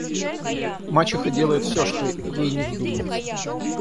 Мачеха делает всё, что ей ни вздумается.